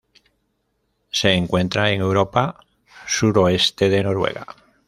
Se encuentra en Europa: suroeste de Noruega.